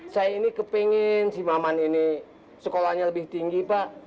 saya ini kepingin si maman ini sekolahnya lebih tinggi pak